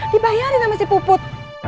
dibayarin sama si puput